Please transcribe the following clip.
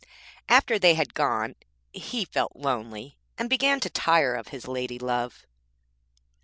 After they had gone he felt lonely, and began to tire of his lady love.